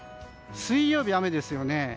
水曜日、雨ですよね。